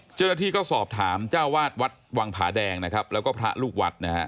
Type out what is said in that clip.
เจ้าหน้าที่ก็สอบถามเจ้าวาดวัดวังผาแดงนะครับแล้วก็พระลูกวัดนะฮะ